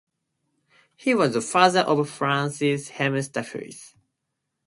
He was the father of Frans Hemsterhuis.